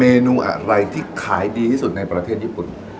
เมนูอะไรที่ขายดีที่สุดในประเทศญี่ปุ่น